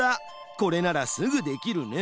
これならすぐできるね。